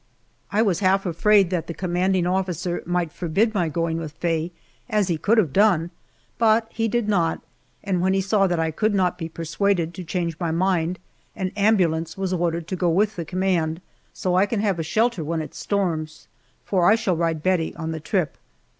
I was half afraid that the commanding officer might forbid my going with Faye, as he could have done, but he did not, and when he saw that I could not be persuaded to change my mind, an ambulance was ordered to go with the command, so I can have a shelter when it storms, for I shall ride Bettie on the trip.